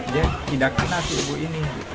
dia tidak kena si ibu ini